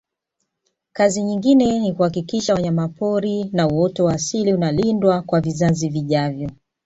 kazi nyingine ni kuhakisha wanyamapori na uoto wa asili unalindwa kwa vizazi vijavyo